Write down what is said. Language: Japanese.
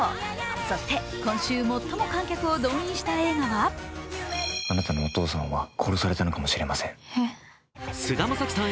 そして、今週最も観客を動員した映画は菅田将暉さん